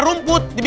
bisa ustaz jah